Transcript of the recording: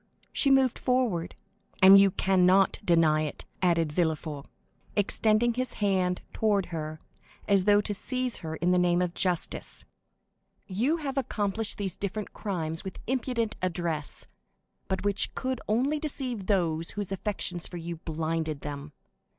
She moved forward. "And you cannot deny it!" added Villefort, extending his hand toward her, as though to seize her in the name of justice. "You have accomplished these different crimes with impudent address, but which could only deceive those whose affections for you blinded them.